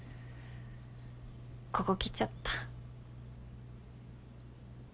ここ来ちゃった。